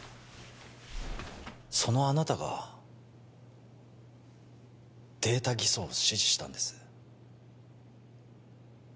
そのあなたがデータ偽装を指示したんです